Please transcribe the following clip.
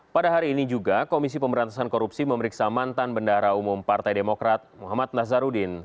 pada hari ini juga komisi pemberantasan korupsi memeriksa mantan bendahara umum partai demokrat muhammad nazarudin